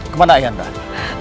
kemana ayah body